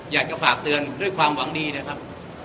อยากจะฝากเตือนด้วยความหวังดีนะครับ